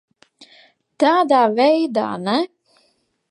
Tādā veidā ne.